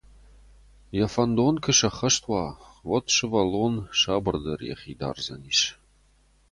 Йӕ фӕндон куы сӕххӕст уа, уӕд сывӕллон сабырдӕр йӕхи дардзӕнис.